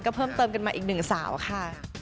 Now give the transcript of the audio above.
ก็เพิ่มเติมกันมาอีกหนึ่งสาวค่ะ